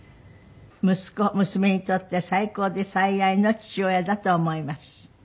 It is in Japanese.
「息子娘にとって最高で最愛の父親だと思います」